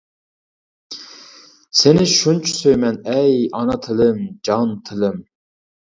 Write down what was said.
سېنى شۇنچە سۆيىمەن ئەي ئانا تىلىم جان تىلىم!